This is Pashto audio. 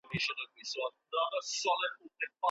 په شريعت کي شقاق د خاوند او ميرمني شخړي ته ويل کيږي.